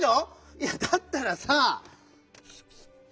いやだったらさ。